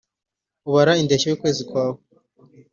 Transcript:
ubara indeshyo y’ukwezi kwawe,